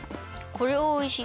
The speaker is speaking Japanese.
これはおいしい！